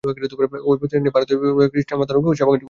ঐ প্রতিষ্ঠানটি ভারতে খ্রীষ্টমতানুগ সেবাকার্য করিয়া থাকে।